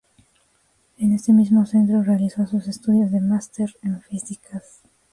En ese mismo centro realizó sus estudios de Máster en Físicas.